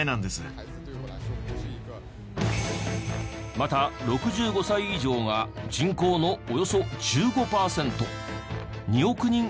また６５歳以上が人口のおよそ１５パーセント２億人以上となり。